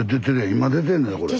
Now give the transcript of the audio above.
今出てんのよこれ。